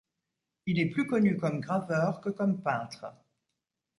Il est plus connu comme graveur que comme peintre.